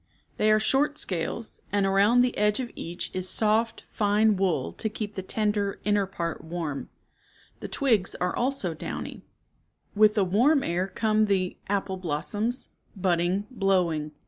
They are short scales, and around the edge of each is soft, fine wool to keep the tender, inner part warm. The twigs also are downy. With the warm air come the Apple blossoms, budding, blowing.